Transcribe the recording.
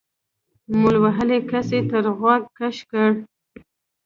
مول وهلي کس يې تر غوږ کش کړ.